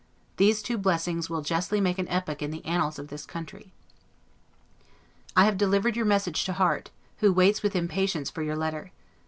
These two blessings will justly make an epoch in the annals of this country. I have delivered your message to Harte, who waits with impatience for your letter.